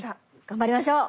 頑張りましょう！